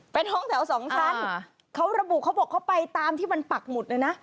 เป็นห้องแถวสองชั้นเขาระบุเขาบอกเขาไปตามที่มันปักหมุดเลยนะ